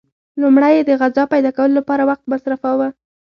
لومړی یې د غذا پیدا کولو لپاره وخت مصرفاوه.